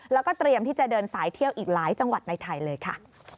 แล้วก็เตรียมที่จะเดินสายเที่ยวอีกหลายจังหวัดในไทยเลยค่ะ